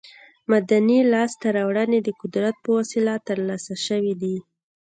مدني لاسته راوړنې د قدرت په وسیله تر لاسه شوې دي.